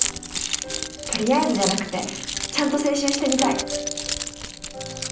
取りあえずじゃなくてちゃんと青春してみたい。